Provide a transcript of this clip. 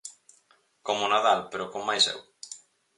Como o Nadal, pero con máis eu.